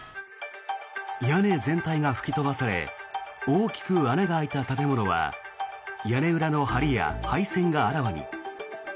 屋根全体が吹き飛ばされ大きく穴が開いた建物は屋根裏のはりや配線があらわに。